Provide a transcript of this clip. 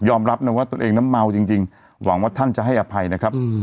รับนะว่าตนเองนั้นเมาจริงหวังว่าท่านจะให้อภัยนะครับ